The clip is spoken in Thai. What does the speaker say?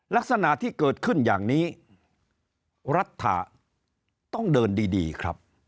ลักษณะที่เกิดขึ้นอย่างนี้รัฐต้องเดินดีครับ